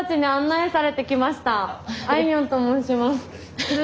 あいみょんと申します。